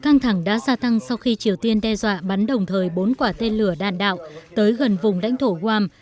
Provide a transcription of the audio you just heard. căng thẳng đã gia tăng sau khi triều tiên đe dọa bắn đồng thời bốn quả tên lửa đạn đạo tới gần vùng lãnh thổ wam